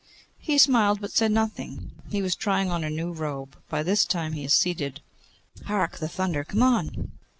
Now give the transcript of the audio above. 'He smiled, but said nothing. He was trying on a new robe. By this time he is seated. Hark! the thunder. Come on!